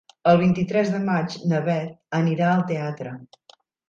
El vint-i-tres de maig na Beth anirà al teatre.